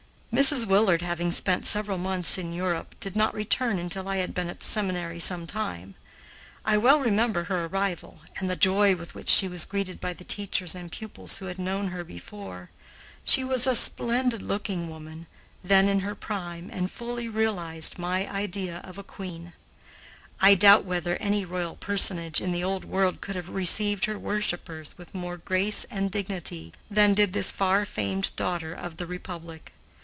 Mrs. Willard, having spent several months in Europe, did not return until I had been at the seminary some time. I well remember her arrival, and the joy with which she was greeted by the teachers and pupils who had known her before. She was a splendid looking woman, then in her prime, and fully realized my idea of a queen. I doubt whether any royal personage in the Old World could have received her worshipers with more grace and dignity than did this far famed daughter of the Republic.